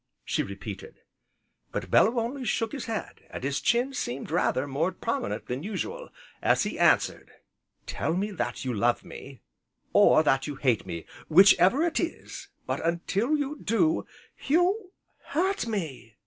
she repeated. But Bellew only shook his head, and his chin seemed rather more prominent than usual, as he answered: "Tell me that you love me, or that you hate me whichever it is, but, until you do " "You hurt me!"